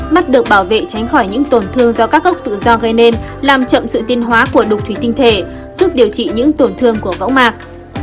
mắt được bảo vệ tránh khỏi những tổn thương do các gốc tự do gây nên làm chậm sự tiên hóa của đục thủy tinh thể giúp điều trị những tổn thương của võng mạc